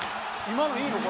今のいいの？